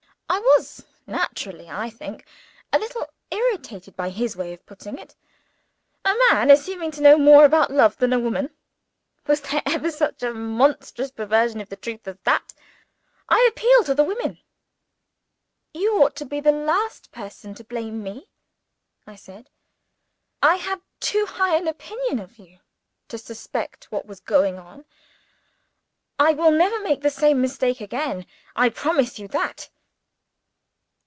I was naturally, I think a little irritated by his way of putting it. A man assuming to know more about love than a woman! Was there ever such a monstrous perversion of the truth as that? I appeal to the women! "You ought to be the last person to blame me," I said. "I had too high an opinion of you to suspect what was going on. I will never make the same mistake again I promise you that!"